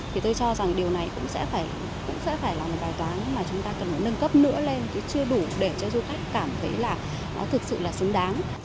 thì tôi cho rằng điều này cũng sẽ phải là một bài toán mà chúng ta cần phải nâng cấp nữa lên chứ chưa đủ để cho du khách cảm thấy là nó thực sự là xứng đáng